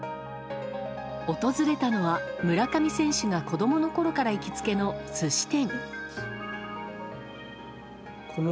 訪れたのは、村上選手が子供のころから行きつけの寿司店。